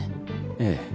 ええ。